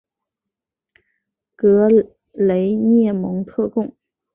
格雷涅蒙特贡。